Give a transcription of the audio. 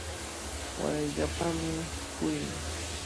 Warayllapami purin.